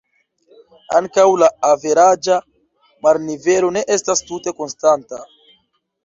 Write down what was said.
Ankaŭ la averaĝa marnivelo ne estas tute konstanta.